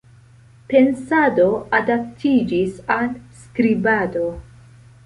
Pensado adaptiĝis al skribado.